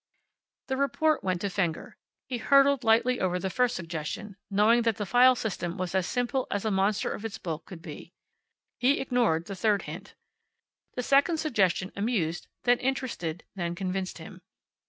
The report went to Fenger. He hurdled lightly over the first suggestion, knowing that the file system was as simple as a monster of its bulk could be. He ignored the third hint. The second suggestion amused, then interested, then convinced him.